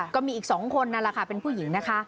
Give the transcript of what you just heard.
ก็มีอีก๒คนนั่นแหละค่ะเป็นผู้หญิงนะคะ